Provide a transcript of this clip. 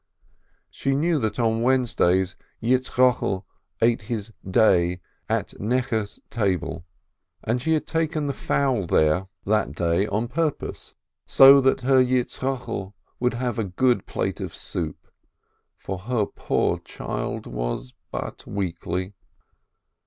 She knew that on Wednesdays Yitzchokel ate his "day" at Necheh's table, and she had taken the fowl there that day A SCHOLAR'S MOTHER 517 on purpose, so that her Yitzchokel should have a good plate of soup, for her poor child was but weakly.